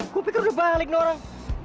gua pikir udah balik nih orang